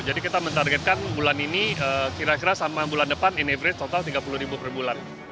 jadi kita mentargetkan bulan ini kira kira sama bulan depan in average total tiga puluh ribu per bulan